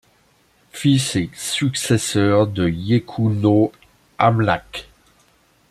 Fils et successeur de Yékouno-Amlak.